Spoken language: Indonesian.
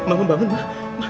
m maman bangun kak